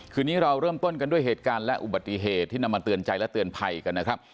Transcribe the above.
คืนนี้เราเริ่มต้นกันด้วยเหตุการณ์และอุบัติเหตุที่นำมาเตือนใจและเตือนภัยกันนะครับ